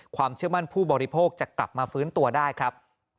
ความเชื่อมั่นผู้บริโภคจะกลับมาฟื้นตัวได้ครับ